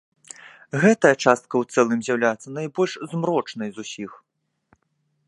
Гэтая частка ў цэлым з'яўляецца найбольш змрочнай з усіх.